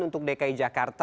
untuk dki jakarta